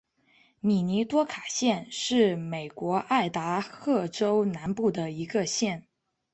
米尼多卡县是美国爱达荷州南部的一个县。